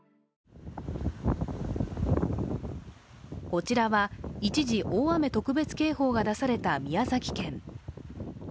こちらは一時、大雨特別警報が出された宮崎県。